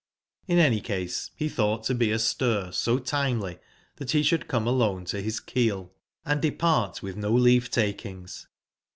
In any casebetbougbt to be astir so timely tbat be sbould come alone to bis keel, and depart witb no leave/takings.